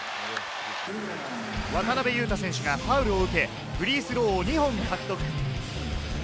渡邊雄太選手がファウルを受け、フリースローを２本獲得。